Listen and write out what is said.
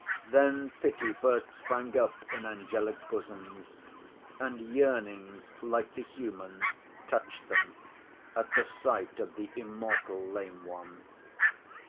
Then pity first sprang up in angelic bosoms; and yearnings (like the human) touched them at the sight of the immortal lame one.